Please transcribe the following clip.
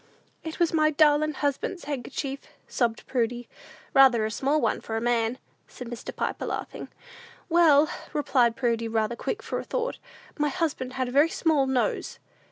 "It was my darlin' husband's handkerchief," sobbed Prudy. "Rather a small one for a man," said Mr. Piper, laughing. "Well," replied Prudy, rather quick for a thought, "my husband had a very small nose!"